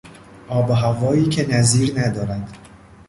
آب و هوایی که نظیر ندارد.